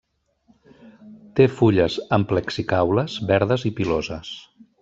Té fulles amplexicaules, verdes i piloses.